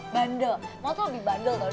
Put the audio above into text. bandel mama tuh lebih bandel tau